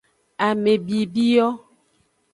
Ame bibi yo.